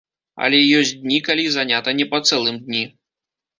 Але ёсць дні, калі занята не па цэлым дні.